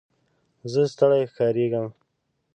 زه ستړی ښکاره کېږم.